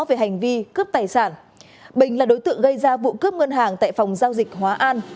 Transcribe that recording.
về hành vi cướp tài sản bình là đối tượng gây ra vụ cướp ngân hàng tại phòng giao dịch hóa an